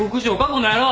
この野郎！